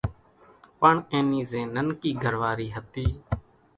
پڻ اين نِي زين ننڪي گھر واري ھتي